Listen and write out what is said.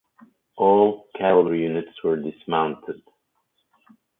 All cavalry units were dismounted.